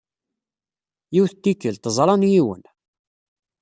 Yiwet n tikkelt, ẓran yiwen.